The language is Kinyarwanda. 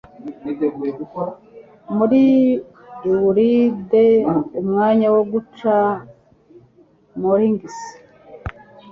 muri Aulide umwanya wo guca moorings